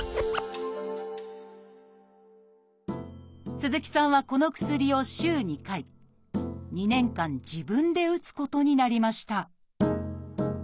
鈴木さんはこの薬を週２回２年間自分で打つことになりました